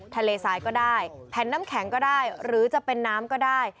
ทะเลทรายก็ได้แผ่นน้ำแข็งก็ได้หรือจะเป็นน้ำก็ได้